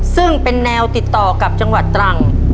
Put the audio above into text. ซึ่งเป็นแนวติดต่อกับจังหวัดตรัง